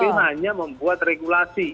kpu hanya membuat regulasi